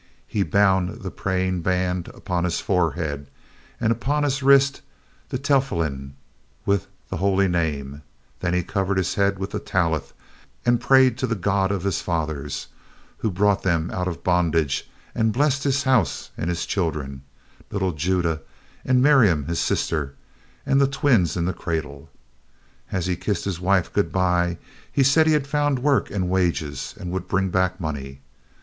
He bound the praying band upon his forehead, and upon his wrist the tefillin with the Holy Name; then he covered his head with the tallith and prayed to the God of his fathers who brought them out of bondage, and blessed his house and his children, little Judah and Miriam his sister, and the twins in the cradle. As he kissed his wife good by, he said that he had found work and wages, and would bring back money.